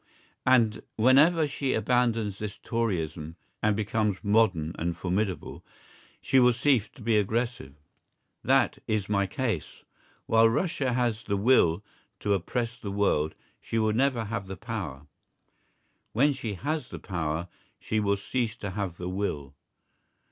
And whenever she abandons this Toryism and becomes modern and formidable, she will cease to be aggressive. That is my case. While Russia has the will to oppress the world she will never have the power; when she has the power she will cease to have the will.